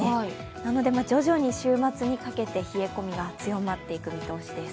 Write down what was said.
なので徐々に週末にかけて冷え込みが強まっていく見通しです。